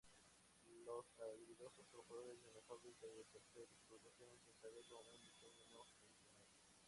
Los habilidosos trabajadores en la fábrica de torpedos produjeron sin saberlo un diseño no-funcional.